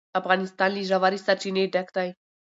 افغانستان له ژورې سرچینې ډک دی.